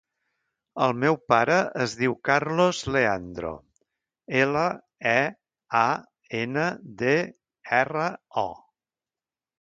El meu pare es diu Carlos Leandro: ela, e, a, ena, de, erra, o.